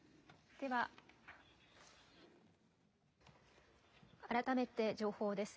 では、改めて情報です。